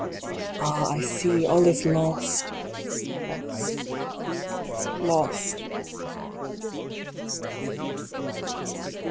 Ah, I see, all is lost lost lost